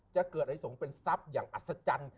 จะเกิดอะไรที่ส่งเป็นทรัพย์อย่างอัศจรรย์